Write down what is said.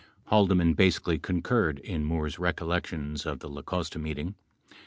19 Haldeman basically concurred in Moore's recollections of the La Costa meeting.